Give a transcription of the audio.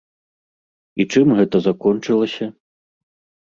І чым гэта закончылася?